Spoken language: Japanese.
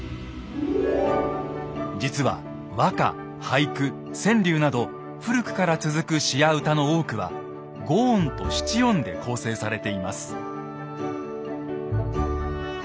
実は和歌俳句川柳など古くから続く詩や歌の多くは５音と７音で構成されています。